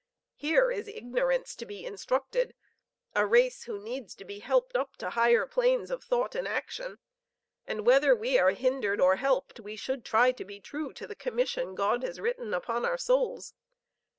Here is ignorance to be instructed; a race who needs to be helped up to higher planes of thought and action; and whether we are hindered or helped, we should try to be true to the commission God has written upon our souls.